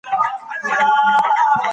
عامه افکار د حکومت په بدلون کې رول لري.